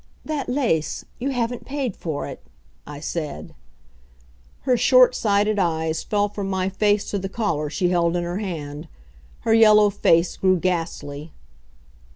"That lace. You haven't paid for it," I said. Her short sighted eyes fell from my face to the collar she held in her hand. Her yellow face grew ghastly.